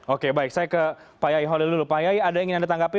oke baik saya ke pak yai holil dulu pak yai ada yang ingin anda tanggapi